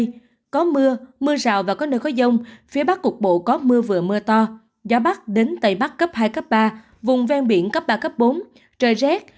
phía bắc có mưa mưa rào và có nơi có dông phía bắc cuộc bộ có mưa vừa mưa to gió bắc đến tây bắc cấp hai ba vùng ven biển cấp ba bốn trời rét